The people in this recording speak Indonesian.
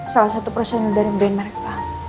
salah satu personel dari band mereka